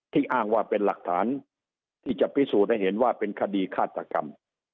อ้างว่าเป็นหลักฐานที่จะพิสูจน์ให้เห็นว่าเป็นคดีฆาตกรรม